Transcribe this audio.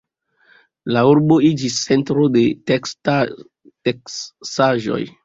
La urbo iĝis centro de teksaĵoj.